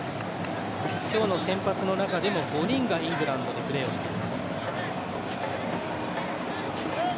今日の先発の中でも５人がイングランドでプレーをしています。